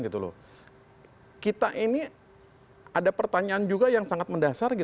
kita ini ada pertanyaan juga yang sangat mendasar